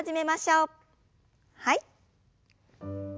はい。